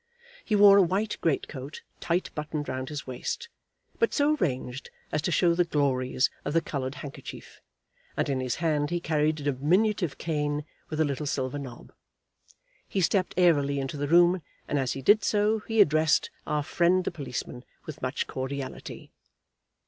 He wore a white greatcoat tight buttoned round his waist, but so arranged as to show the glories of the coloured handkerchief; and in his hand he carried a diminutive cane with a little silver knob. He stepped airily into the room, and as he did so he addressed our friend the policeman with much cordiality.